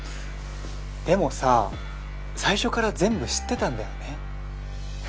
でもさ最初から全部知ってたんだよね？